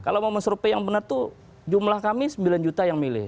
kalau mau survei yang benar tuh jumlah kami sembilan juta yang milih